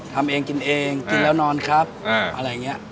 ทำเองกินเองกินแล้วนอนครับอะไรอย่างนี้